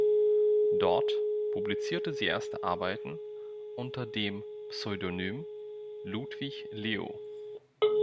Dort publizierte sie erste Arbeiten unter dem Pseudonym Ludwig Leo.